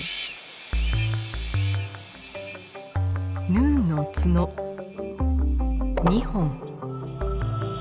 ヌーの角２本。